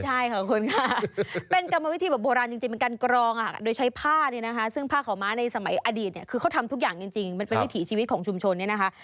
ใช่ค่ะคุณค่ะเป็นกรรมวิธีแบบโบราณจริงเป็นการกรองโดยใช้ผ้าเนี่ยนะคะซึ่งผ้าขาวม้าในสมัยอดีตเนี่ยคือเขาทำทุกอย่างจริงมันเป็นวิถีชีวิตของชุมชนเนี่ยนะคะ